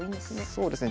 そうですね。